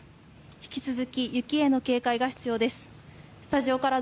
引き続き雪への警戒が必要です。